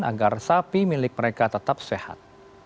agar sapi milik mereka tetap sehat